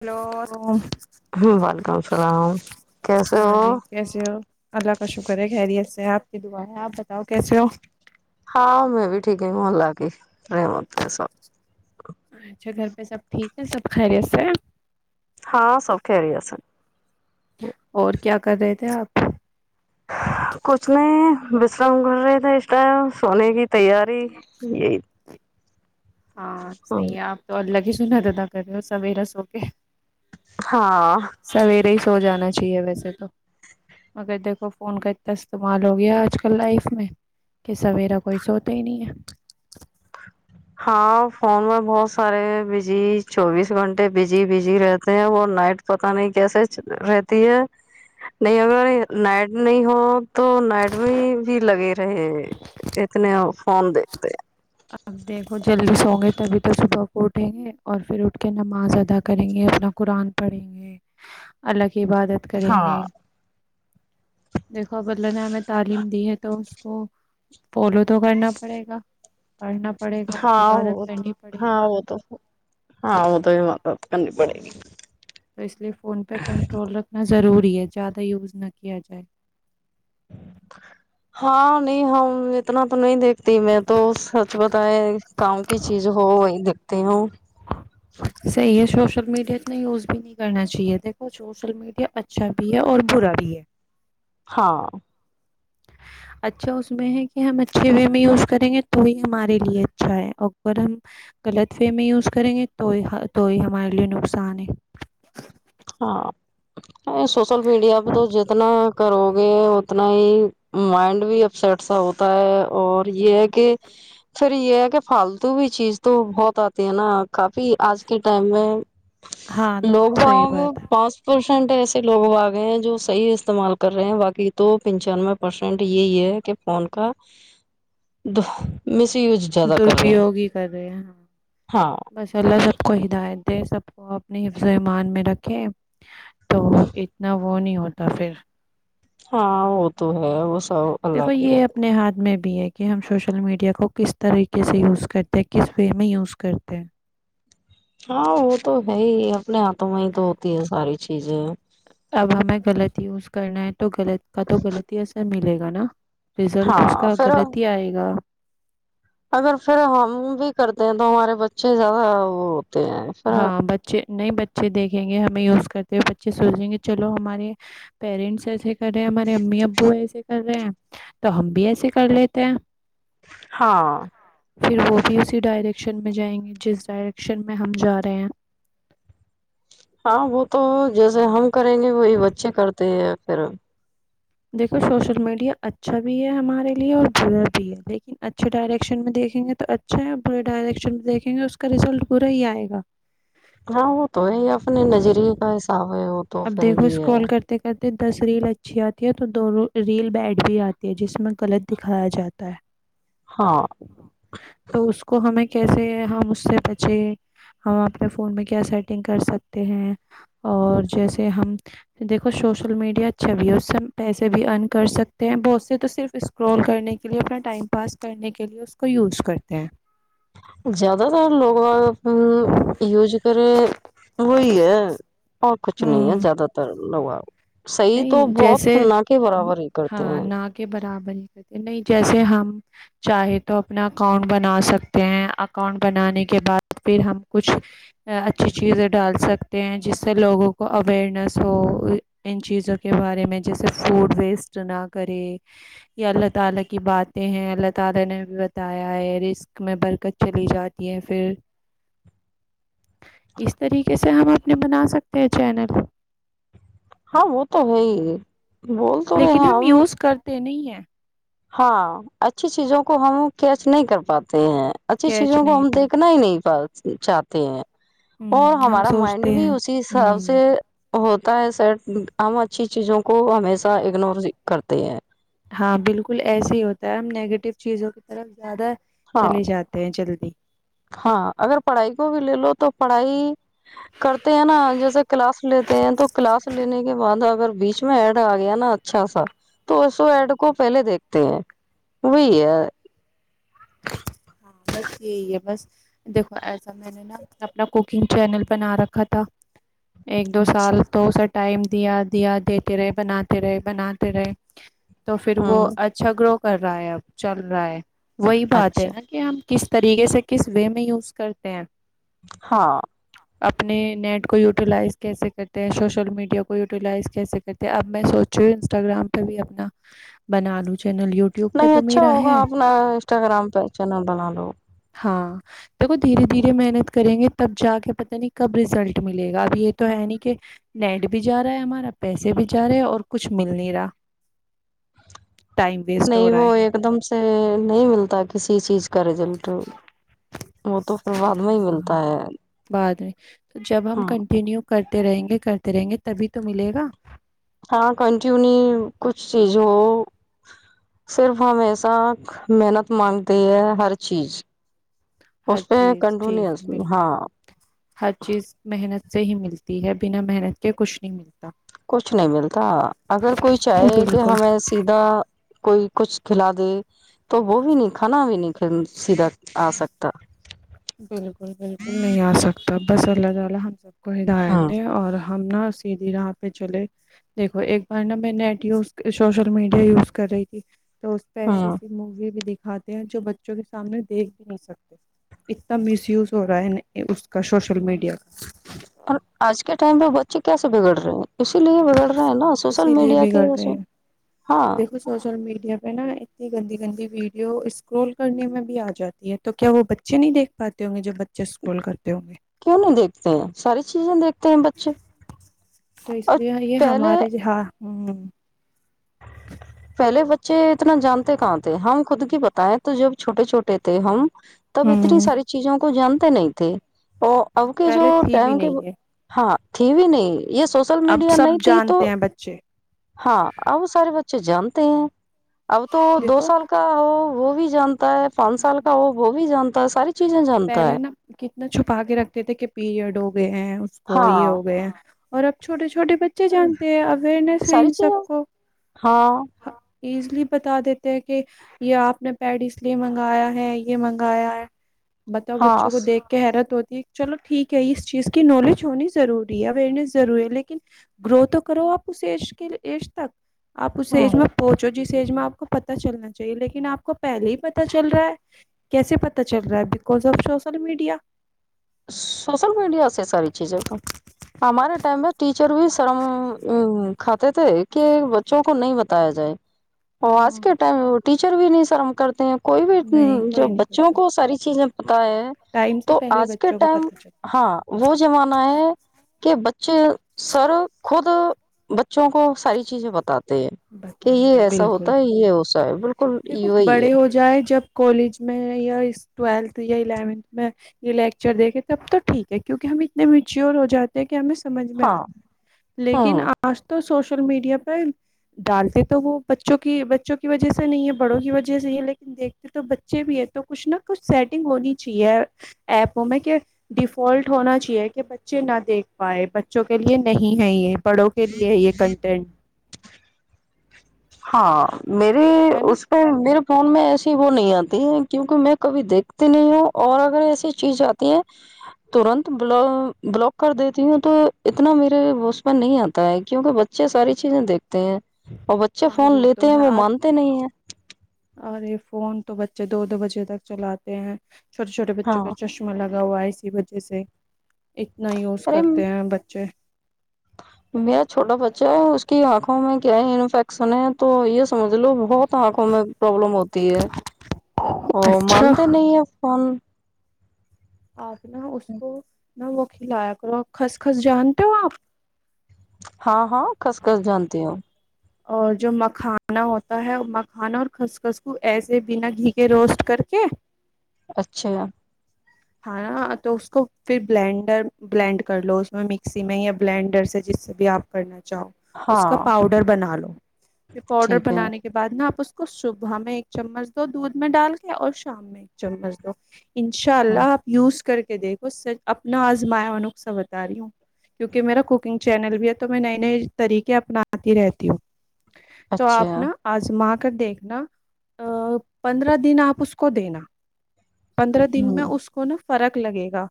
Hello ہوں وعلیکم السلام کیسے ہاں ہو جی کیسے ہو اللہ کا شکر ہے خیریت سے آپ کی دعا ہے آپ بتاؤ کیسے ہو ہاں میں بھی ٹھیک ہوں اللہ کی رحمت ہیں سب اچھا گھر پہ سب ٹھیک ہے سب خیریت سے ہے ہاں سب خیریت سے اور کیا کر رہے تھے آپ کچھ نہیں بس ہم کر رہے تھے اس ٹائم سونے کی تیاری یہی ہاں صحیح ہے آپ تو اللہ کی ج ندا ادا کر رہے ہو سویرے سو کے ہاں سویرے ہی سو جانا چاہیے ویسے تو مگر دیکھو فون کا اتنا استعمال ہو گیا آج کل لائف میں کہ سویرا کوئی سوتا ہی نہیں ہے ہاں فون میں بہت سارے بزی چوبیس گھنٹے بزی بزی رہتے ہیں وہ نائٹ پتا نہیں کیسے رہتی ہے نہیں اگر نائٹ نہیں ہو تو نائٹ میں بھی لگے رہے ہیں اتنے فون دتے ہیں اپ دیکھو جلدی سو گے تبھی تو صبح اٹھیں گے اور پھر اٹھ کے نماز ادا کریں گے۔ اپنا قرآن پڑھیں گے الگ۔۔۔۔ عبادت کریں ہاں گے۔ دیکھو اب اللہ نے ہمیں تعلیم دی ہے۔ تو اس کو فالو تو کرنا پڑے گا۔ پڑھنا پڑے گا ہاں عبادت کرنی پڑے گی ہاں تو ہاں تو یہ۔۔۔۔ [unintelligible] تو اس لیے فون پہ کنٹرول رکھنا ضروری ہے۔ زیادہ یوز نہ کیا جائے۔ ہاں نہیں ہم اتنا تو نہیں دیکھتی میں تو سچ بتائے کام کی چیز ہو وہی دیکھتی ہوں۔ صحی ہے شو۔۔۔۔ سوشل میڈیا اتنا یوز بھی نہیں کرنا چاہیے۔ دیکھو سوشل میڈیا اچھا بھی ہے اور برا بھی ہے۔ ہاں۔ اچھا اس میں ہے کہ ہم اچھے وے میں یوز کریں گے تو ہی ہمارے لیے اچھا ہے اگر ہم غلط وے میں یوز کریں گے تو تو ہی ہمارے لیے نقصان ہے ہاں سوشل میڈیا پہ تو جتنا کرو گے اتنا ہی مائنڈ بھی اپسٹ سا ہوتا ہے اور یہ ہے کہ پھر یہ ہے کہ فالتو بھی چیز تو بہت آتی ہے نا کافی آج کے ٹائم میں ہاں صی پاسپورٹ ٹ ایسے لوگ آگئے ہیں جو صح استعمال کر رہے ہیں باقی تو پنچانوے پرسینٹ یہی ہے کہ فون کا مس یوز زیادہ کر رہے ہیں درپیوگ ہی کر رہے ہاں ہاں بس اللہ سب کو ہدایت سب کو اپنی حفظ ایمان میں رکھے تو اتنا وہ نہیں ہوتا ہوتا پھر ہاں ہو تو ہے وہ سب اللہ دیکھو کی یہ رہے اپنے ہاتھ میں ہے کہ ہم سوشل میڈیا کو کس طریقے سے یوز کرتے ہیں کس وے میں یوز کرتے ہیں ہاں وہ تو ہے ہی اپنے ہاتھوں میں ہی تو ہوتی ہے ساری چیزیں اب ہمیں غلط ہی اس کو کرنا تو غلط کا تو غلط ہی اثر ملے گا نا رزلٹ اس ہاں کا پھر غلط ہی آئے گا اگر پھر ہم بھی کرتے ہیں تو ہمارے بچے زیادہ وہ ہوتے ہیں پھر ہاں بچے نہیں بچے دیکھیں گے ہمیں یز کرتے ہوئے بچے سوچ دیں گے چلو ہمارے پیرنٹس ایسے کر رہے ہیں ہمارے امی ابو ایسے کر رہے ہیں تو ہم بھی ایسے کر لیتے ہیں ہاں پھر وہ بھی اسی ڈائریک شن میں جائیں گے جس ڈائریکشن میں ہم جا رہے ہیں ہاں وہ تو جیسے ہم کریں گے وہی بچے کرتے ہیں پھر دیکے سوشل میڈیا اچھا بھی ہے ہمارے لیے اور برا بھی ہے لیکن اچھے ڈائریکشن میں دیکھیں گے تو اچھا ہے اور برے ڈائریکشن میں دیکھیں گے اس کا رزلٹ برا ہی آئے گا ہاں وہ تو ہے یہ اپنے نظریے کا حساب ہے وہ تو اب پھر دیکھو یہ ہے کال کرتے کرتے دس ریل اچھی آتی ہے تو دو ریل بیڈ بھی آتی ہے جس میں غلط دکھایا جاتا ہے ہاں تو اس کو ہمیں کیسے ہم اس سے بچے ہم اپنے فون میں کیا سیٹنگ کر سکتے ہیں اور جیسے ہم دیکھو سوشل میڈیا اچھا بھی ہے اس سے ہم پیسے بھی ارن کر سکتے ہیں بہت سے تو صرف اسکرول کرنے کے لیے اپنا ٹائم پاس کرنے کے لیے اس کو یوز کرتے ہیں زیادہ تر لوگ آ یوز کرے وہی ہے کچھ نہیں ہے ہوں زیادہ تر ج نوا صحیح تو نہیں بہت جیسے نہ کے برابر ہی کرتے ہاں ہیں نہ کے برابر نہیں جیسے ہم چاہے تو اپنا اکاؤنٹ بنا سکتے ہیں اکاؤنٹ بنانے کے بعد پھر ہم کچھ اچھی چیزیں ڈال سکتے ہیں جس سے لوگوں کو اوئرنیس ہو ان چیزوں کے بارے میں جیسے فوڈ ویسٹ نہ کریں یا اللہ تعالی کی باتیں ہیں اللہ تعالی نے بھی بتایا ہے رزق میں برکت چلی جاتی ہے پھر اس طریقے سے ہم اپنے بنا سکتے ہیں چینل ہاں وہ تو ہے ہی بول تو رہے لیکن ہیں ہم یوز کرتے نہیں ہیں [inaudible] ہاں اچھی چیزوں کو ہم کیچ نہیں کر پاتے ہیں اچھی کیچ چیزوں کو نہیں ہم پر دیکھنا ہی نہیں پات چاہتے ہیں اور ہوں ہم ہمارا مائنڈ سوچتے بھی ہیں اسی حساب ہوں سے ہوتا ہے سرام اچھی چیزوں کو ہمیشہ اگنور کرتے ہیں ہاں بالکل ایسے ہی ہوتا ہے ہم نگیٹو چیزوں کی طرف زیادہ ہاں چلے جاتے ہیں چل ج [unintelligible] [inaudible] ہاں اگر پڑھائی کو بھی لے لو تو پڑھائی کرتے ہیں نا جیسے کلاس لیتے ہیں تو کلاس لینے کے بعد اگر بیچ میں ایڈ آ گیا نا اچھا سا تو اسو ایڈ کو پہلے دیکھتے ہیں وہی ہے ہاں بس یہی ہے بس دیکھو ایسا میں نے نا اپنا کوکنگ چینل بنا رکھا تھا ایک دو اچھا سال تو سٹ ٹائم دیا دیا دیتے رہے بناتے رہے بناتے رہے تو پھر وہ ہوں اچھا گرو کر رہا ہے اب چل رہا ہے وہی بات ہے اچھا نا ہم کس طریقے سے کس وے میں یوز کرتے ہیں ہاں اپنے نیٹ کو یوٹیلائز کیسے کرتے ہیں سوشل میڈیا کو یوٹیلائز کیسے کرتے ہیں اب میں سوچی ہ انسٹاگرام پہ بھی اپنا بنا لوں چینل یوٹیوب پہ نہیں تو اچھا میرا ہوگا ہے اپنا انسٹاگرام پہ چینل بنا لو ہاں دیکھو دھیرے دھیرے محنت کریں گے تب جا کے پت نہیں کب ریزلٹ ملے گا اب یہ تو ہے نہیں کہ نیٹ بھی جا رہا ہے ہمارا پیسے بھی جا رہے ہے اور کچھ مل نہیں رہا ٹائم ویسٹ ہو نہیں وہ رہا ہے ایک دم سے نہیں ملتا کسی ک چیز کا رزلٹ وہ تو پھر بعد میں ہی ملتا ہے جی [unintelligible] [inaudible] تو جب ہم ہاں کنٹینیو کرتے رہیں گے کرتے رہیں گے تبھی تو ملے گا ہاں کنٹینو کچھ چیز ہو صرف ہم ایسا محنت مانگتے ہیں ہر چیز ہر اس پہ چیز ٹھیک ہے کنٹینیوس بالکل ہاں ہر چیز محنت سے ہی ملتی ہے بنا محنت کے کچھ نہیں ملتی کچھ نہیں ملتا اگر کوئی چاہے کہ بالکل ہمیں سیدھا کوئی کچھ کھلا دے تو وہ بھی نہیں کھانا بھی نہیں سیدھا آ سکتا بالکل نہیں ا سکتا بس اللہ تعالی ہم سب کو ہاں ڈاے اور ہم نا سیدھی راہ پہ چلے دیکھو ایک بار نہا میں net use social media use کر رہی تھی تو اس پہ ایسی ہاں ایسی موی بھی د کاتے ہیں جو بچوں کے سامنے دیکھ بھی نہیں سکتے اتنا مس یوز ہو رہا ہے اس کا سوشل میڈیا کا اور آج ٹائم پہ بچے کیس بگڑ رہے ہیں اسی لیے بگڑ رہے ہیں نا سوشل اسی لیے میڈیا بھی کے کر رہے ہاں ہیں دیکھو سوشل میڈیا پہ نا اتنی گندی گند ویڈیو اسکرول کرنے میں بھی آ جاتی ہے تو کیا وہ بچے نہیں دیکھ پاتے ہوں گے جو بچے اسکرول کرتے ہوں گے کیوں نہیں دیکھتے ہیں ساری چیزیں دیک تو اس لیے یہ پہلے ہمارے ج ہاں ہوں پہلے بچے اتنا جانتے کہاں تھے ہم خود کی بتائے تو جب چھوٹے چھوٹے تھے ہم تب اتنی ہ ساری چیزوں کو جان نہیں تھے اور اب کے جو پہلے تھی بھی ٹائم کے نہیں ہے ہاں ت بھی نہیں یہ سوشل اب میڈیا سب نہیں تھی تو جانتے ہیں بچے ہاں ا وہ سارے بچے جانتے ت اب تو دو دیکھو سال کا وہ بھی جمپ جتا ہے پانچ سال کا ہو وہ بھی جانتا ہے ساری چیزیں جانتا پہلے ہے نا کتنا چھپا کے رکھتے تھے کہ پیریڈ ہو گئے ہیں اس کو یہ ہاں ہو گئے اور اب چوٹے چو چھوٹے بچے جانتے ہیں اوئیرنیس ہے ساری ان چیزیں سب کو ہاں ایزلی بتا دیتے ہیں کہ یہ آپ نے پیڈ اس لیے منگایا ہے یہ منگایا ہے بتاؤ ہاں بچوں کو دیکھ کے حیرت ہوتی چلو ٹھیک ہے اس چیز کی نالج ہونی ضروری ہے اوئرنیس ضروری ہے لیکن گرو تو کرو آپ اس ایج کے ایج تک اس ایج میں پہنچو جس ج میں آپ کو پت چلنا چاہیے لیکن آپ کو پہلے ہی پتا چل رہا ہے کیسے پتا چل رہا ہے because of social media social media سے ساری چیزیں کو ہمارے ٹائم میں ٹیچر بھی شرم کھاتے تھے کہ بچوں کو نہیں بتایا جائے ا ہاں آس کے ٹائم ٹیچر بھی نہیں شرم کرتے کوئی بھی نہیں جو کوئی نہیں بچوں پتا کو ساری چیزیں ہے ٹائم سے تو پہلے آج ک بچوں کو ٹائم پتا چل ہاں وہ زمانہ ہے کہ بچے سر خود بچوں کو ساری چیزیں بتاتا کہ بتاتے یہ ہیں. ایسا بالکل ہوتا ہے یہ ہو سا ہے بالکل دیکھو یہی ہے بڑے ہو جائے جب کالج میں یا ٹویلتھ یا الیونتھ میں یہ لیکچر دیکھے تب تو ٹھیک ہے کیونکہ ہم اتنے میچیور ہو جاتے ہیں کہ ہمیں سمجھ میں آتا ہاں ہے لیکن ہوں آج تو سوش سوشل میڈیا پرہ ڈالتے تو وہ بچوں کی بچوں کی وجہ سے نہیں ہے بڑوں کی وجہ سے ہی لیکن دیکھتے تو بچے بھی ہے تو کچھ نہ کچھ سیٹنگ ہونی چاہیے ایپوں میں کہ ڈیفالٹ ہونا چاہیے کہ بچے نہ دیکھ پائے بچوں کے لیے نہیں ہے یہ پڑوں کے لیے ہے یہ کنٹینٹ ہاں میرے ہے نا اس پہ میرے فون میں ایسی وہ نہیں آتی ہے کیوںکہ میں کبھی دیکھتی نہیں ہوں اور اگر ایسی چیز آتی ہے ترت ب بلاک کر دیتی ہوں تو اتنا میرے میں نہیں آتا ہے کیوںکہ بچے ساری چیزیں دیکھتے ہیں اچھا ہاں فون لیتے ہیں وہ مانتے نہیں ہیں ارے فون تو بچے دو دو بجے تک چلاتے ہیں چھو چو بچوں ہاں کو چشما لا لگا ہوا اسی وجہ سے اتنا یوز ارے کرتے ہیں بچے میرا چھوٹا بچہ ہے اس کی آنکھ کیا ہے انفیکشن ہے تو یہ سمجھ لو بہت آنکھوں میں پرابلم ہوتی ہے اور اچھا مانتے نہیں اف فان آپ نا اس کو نہا وہ کھلایا کرو کس کس جانتے ہو آپ ہاں ہاں کس کس جانتے ہو اور جو مکھانا ہوتا ہے مکھانا اور خسخس کوو ایسے بنا گھی کے روسٹ کر کے اچھا ہاں نا تو اس کو پھر بلینڈر بلینڈ کر لو اس میں مکسی میں یا بلینڈر سے جس سے بھی آپ کرنا جاؤ اس کا ہاں پاؤڈر بنا لو پ پاؤڈر ٹھیک ہے بنانے کے بعد نا آپ اس کو صبح میں ایک چمچ دو دودھ میں ڈال کے اور شام میں ایک چمچ دو انشاء ہاں اللہ آپ یز کر کے دیکھو س اپنا آزمایا نقصا بتا رہی ہوں کیونکہ میرا کوکنگ چینل بھی ہے تو میں نئے نئے طریقے اپناتی رہتی ہوں تو اچھا آپ نا آزمات دیکھنا پندرہ دن آپ اس کو دینا پندرہ دن میں ہوں اس فرق لگے گا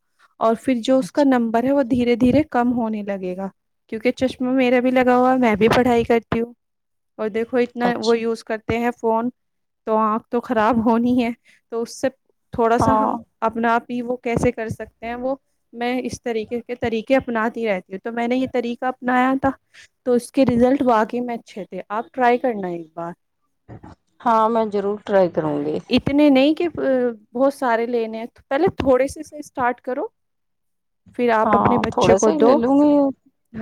اور پھر جو اس کا اچھا نمبر ہے وہ دھیرے دھیرے کم ہونے لگے گا کیونکہ چشمہ میرا بھی لگا ہوا میں بھی پڑھائی کرتی ہوں اور دیکھو اتنا وہ اچھا یوز کر ہیں فون تو آنکھ تو خراب ہونی ہے تو اس سے تھوڑا سا ہاں ہم اپنا آپ ہی وہ کیسے کر سکتے ہیں وہ میں اس طریقے کے طریقے اپناتی رہتی ہوں تو میں نے یہ طریقہ اپنایا تھا تو اس کے رزلٹ واقعی میں اچھے تھے آپ ٹرائی کرنا ایک بار ہاں میں ضرور ٹرائی کروں گی ا بہت سارے لینے ہیں تو پہلے تھوڑے سے سے اسٹارٹ کرو پھر آپ ہاں اپنے بچے تھوڑا کو سا ہی دو لے لوں گی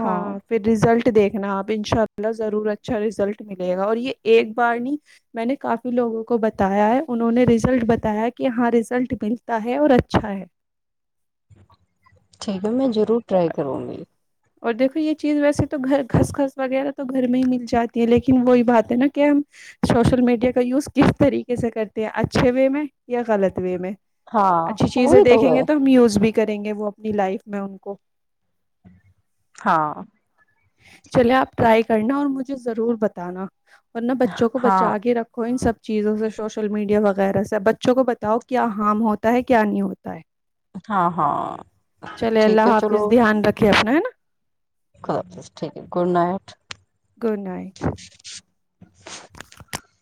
ہاں پھر ریزلٹ دیکھنا آپ ان شاء اللہ ضرور اچھا رزلٹ ملے گا اور یہ ایک بار نہیں میں نے کافی لوگوں کو بتایا ہے انہوں نے ریزلٹ بتایا کہ ہاں ریزلٹ مل ہے اور اچھا ہے ٹھیک ہے میں ضرور ٹرائی کروں گی اور دیکھو یہ چیز ویسے تو گھر گھسخس وغیرہ تو گھر میں ہی مل جاتی ہے لیکن وہی بات ہے نا کہ ہم سوشل میڈیا کا یوز کس طریقے سے کرتے ہیں اچھے وے میں یا غلط وے میں ہاں اچھی چیزیں وہی دیکھیں ہے گے تو میوز بھی کریں گے وہ اپنی لائف میں ان کو ہاں چلے آپ ٹرائی کرنا اور مجھے ضرور بتانا اورورن بچوں کو ہاں بچا کے رکھو ان سب چیزوں سے سوشل میڈیا وغیرہ سے اب بچوں کو بتاؤ کیا ہارم ہوتا ہے کیا نہیں ہوتا ہے ہاں ہاں چلے ٹھیک اللہ ہے چلو حافظ دھیان رکھے ہے نا [unintelligible] خد حافظ ٹھیک ہے گڈ نائٹ گڈ نائٹ [inaudible]